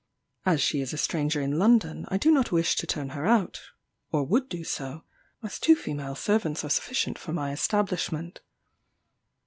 As she is a stranger in London, I do not wish to turn her out, or would do so, as two female servants are sufficient for my establishment.